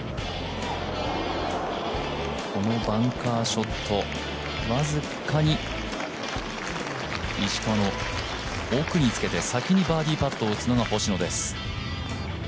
このバンカーショット、僅かに石川の奥につけて、先にバーディーパットを打つのが星野です。